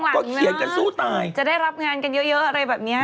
ข้างหลังนะจะได้รับงานกันเยอะอะไรแบบนี้อืมก็เขียนกันสู้ตาย